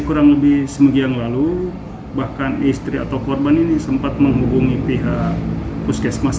kurang lebih seminggu yang lalu bahkan istri atau korban ini sempat menghubungi pihak puskesmas